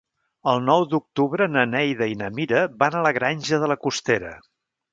El nou d'octubre na Neida i na Mira van a la Granja de la Costera.